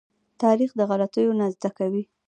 تاریخ د غلطيو نه زده کوي.